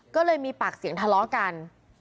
ก็เลยมีปากเสียงทะเลาะกัน